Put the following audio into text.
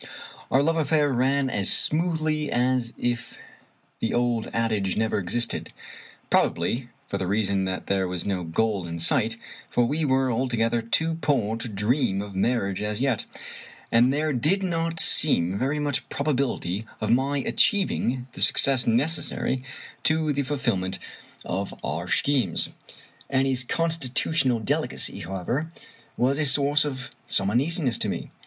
Our love affair ran as smoothly as if the old adage never existed; probably for the reason that there was no goal in sight, for we were altogether too poor to dream of marriage as yet, and there did not seem very much prob ability of my achieving the success necessary to the ful fillment of our schemes. Annie's constitutional delicacy, however, was a source of some uneasiness to me.